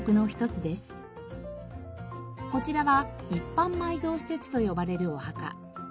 こちらは一般埋蔵施設と呼ばれるお墓。